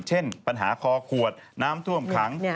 เช่นปัญหาคอขวดน้ำท่วมขัง